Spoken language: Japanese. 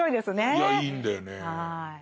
いやいいんだよね。